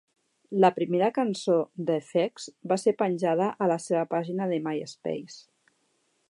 La primera cançó "The Effects" va ser penjada a la seva pàgina de Myspace.